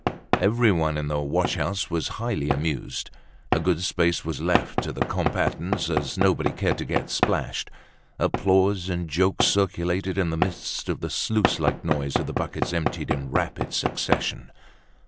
Everyone in the wash house was highly amused. A good space was left to the combatants, as nobody cared to get splashed. Applause and jokes circulated in the midst of the sluice like noise of the buckets emptied in rapid succession!